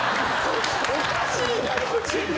おかしいだろって。